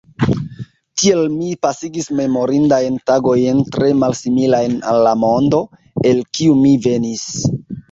Tiel mi pasigis memorindajn tagojn tre malsimilajn al la mondo, el kiu mi venis.